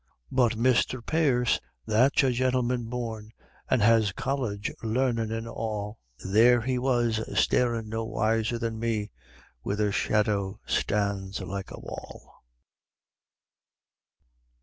But Misther Pierce, that's a gintleman born, an' has college larnin' and all, There he was starin' no wiser than me where the shadow stands like a wall.